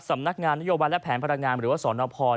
สำนักงานนโยบายและแผนพลังงานหรือว่าสนพร